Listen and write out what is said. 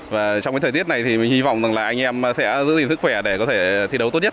và trong cái thời tiết này thì mình hy vọng rằng là anh em sẽ giữ gìn sức khỏe để có thể thi đấu tốt nhất